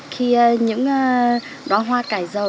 khi những đoá hoa cải giàu